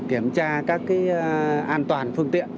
kiểm tra các an toàn phương tiện